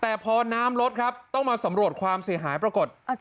แต่พอน้ำลดครับต้องมาสำรวจความเสียหายปรากฏ